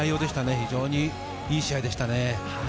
非常にいい試合でしたね。